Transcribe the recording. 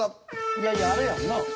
いやいやあれやんな。